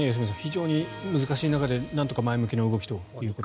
非常に難しい中でなんとか前向きな動きということです。